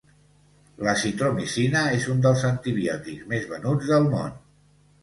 L'Azitromicina és un dels antibiòtics més venuts del món.